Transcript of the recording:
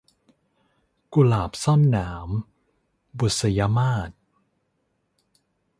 กุหลาบซ่อนหนาม - บุษยมาส